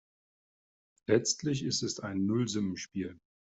Letztlich ist es ein Nullsummenspiel.